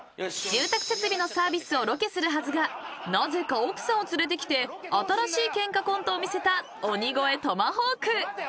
［住宅設備のサービスをロケするはずがなぜか奥さんを連れてきて新しいケンカコントを見せた鬼越トマホーク］